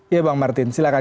iya bang martin silahkan